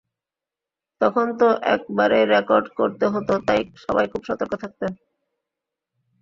তখন তো একবারেই রেকর্ড করতে হতো, তাই সবাই খুব সতর্ক থাকতেন।